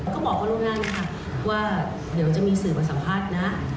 ก็บอกพระลูกนางค่ะว่าเดี๋ยวจะมีสื่อประสัมภาษณ์นะ